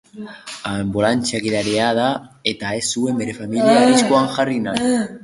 Anbulantzia gidaria da eta ez zuen bere familia arriskuan jarri nahi.